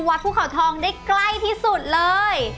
ภูเขาทองได้ใกล้ที่สุดเลย